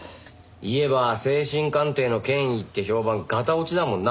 言えば精神鑑定の権威って評判がた落ちだもんな。